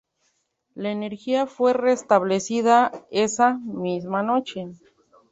La energía fue restablecida esa misma noche.